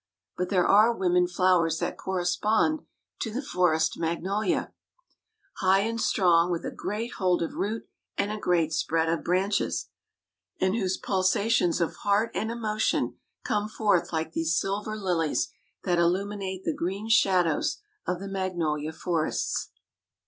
But there are women flowers that correspond to the forest magnolia, high and strong, with a great hold of root and a great spread of branches; and whose pulsations of heart and emotion come forth like these silver lilies that illuminate the green shadows of the magnolia forests.